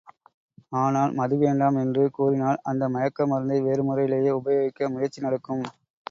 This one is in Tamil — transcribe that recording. ஆனால் மது வேண்டாம் என்று கூறினால் அந்த மயக்க மருந்தை வேறு முறையிலே உபயோகிக்க முயற்சி நடக்கும்.